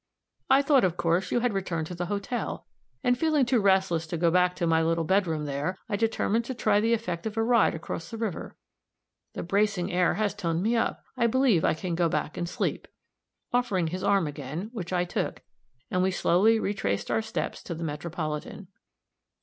I thought, of course, you had returned to the hotel, and feeling too restless to go back to my little bedroom, there, I determined to try the effect of a ride across the river. The bracing air has toned me up. I believe I can go back and sleep" offering his arm again, which I took, and we slowly retraced our steps to the Metropolitan.